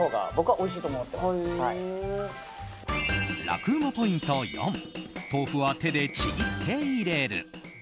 楽ウマポイント４豆腐は手でちぎって入れる。